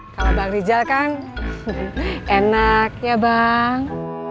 kalau bang rizal kan enak ya bang